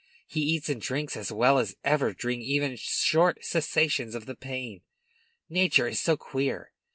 He eats and drinks as well as ever during even short cessations of the pain nature is so queer!